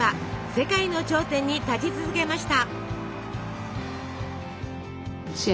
世界の頂点に立ち続けました。